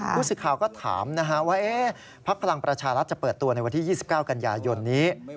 ผู้สื่อข่าวก็ถามว่าพักพลังประชารัฐจะเปิดตัวในวันที่๒๙กันยายนนี้